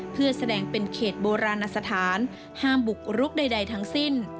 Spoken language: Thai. เพื่อแสดงเป็นเขตโบราณสถานห้ามบุกรุกใดทั้งสิ้น